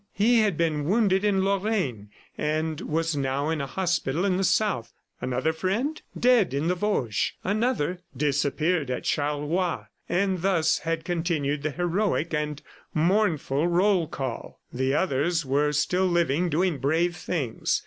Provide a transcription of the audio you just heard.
... He had been wounded in Lorraine and was now in a hospital in the South. Another friend? ... Dead in the Vosges. Another? ... Disappeared at Charleroi. And thus had continued the heroic and mournful roll call. The others were still living, doing brave things.